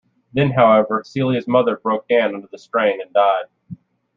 Then, however, Celia's mother broke down under the strain and died.